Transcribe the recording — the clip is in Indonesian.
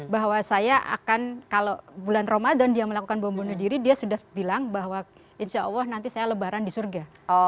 bahwa saya akan kalau bulan ramadan dia melakukan bom bunuh diri dia sudah bilang bahwa insya allah nanti saya lebaran di surga